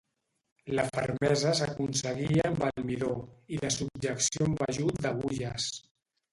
La fermesa s'aconseguia amb el midó i la subjecció amb ajut d'agulles.